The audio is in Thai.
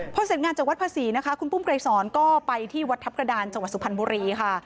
พอเสร็จงานจากวัดภาษีนะคะคุณปุ้มไกรสอนก็ไปที่วัดทัพกระดานจังหวัดสุพรรณบุรีค่ะ